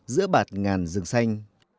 giữa bạt ngàn rừng xanh